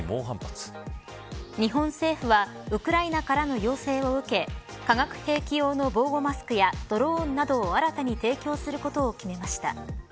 日本政府はウクライナからの要請を受け化学兵器用の防護マスクやドローンなどを、新たに提供することを決めました。